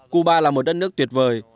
cuba là một đất nước tuyệt vời